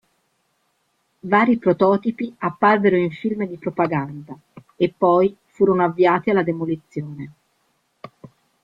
Vari prototipi apparvero in film di propaganda e poi furono avviati alla demolizione.